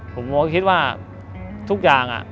ผมก็คิดว่าทุกอย่าง